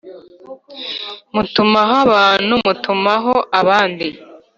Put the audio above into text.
mutumaho abantu mutumaho abandi